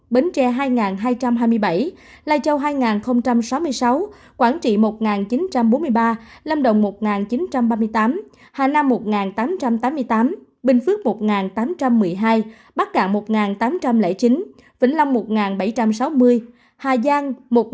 bến tre hai hai trăm hai mươi bảy lai châu hai sáu mươi sáu quảng trị một chín trăm bốn mươi ba lâm động một chín trăm ba mươi tám hà nam một tám trăm tám mươi tám bình phước một tám trăm một mươi hai bắc rạng một tám trăm linh chín vĩnh long một bảy trăm sáu mươi hà giang một bảy trăm sáu mươi